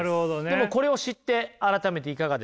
でもこれを知って改めていかがでしょう？